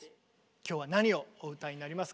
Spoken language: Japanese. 今日は何をお歌いになりますか？